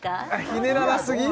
ひねらなすぎ？